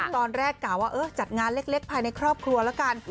กล่าวว่าจัดงานเล็กภายในครอบครัวแล้วกัน